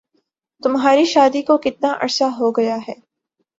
تمہاری شادی کو کتنا عرصہ ہو گیا ہے؟